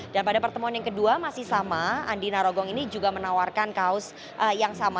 dan pada pertemuan yang kedua masih sama andi narogong ini juga menawarkan kaos yang sama